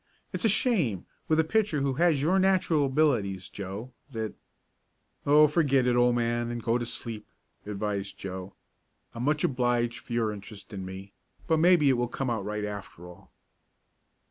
It's a shame, with a pitcher who has your natural abilities, Joe, that " "Oh, forget it, old man, and go to sleep," advised Joe. "I'm much obliged for your interest in me, but maybe it will come out right after all."